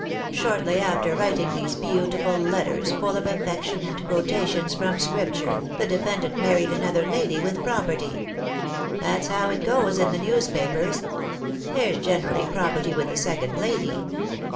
' Shortly after writing these beautiful letters, full of affection and quotations from Scripture, the defendant married another lady with pro perty.' That's how it goes in the newspapers. There's generally property with the second lady.